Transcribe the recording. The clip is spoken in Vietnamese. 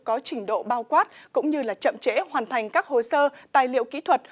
có trình độ bao quát cũng như chậm trễ hoàn thành các hồ sơ tài liệu kỹ thuật